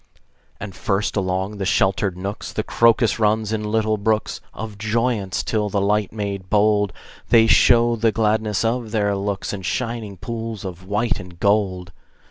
And first, along the sheltered nooks, The crocus runs in little brooks Of joyance, till by light made bold They show the gladness of their looks In shining pools of white and gold.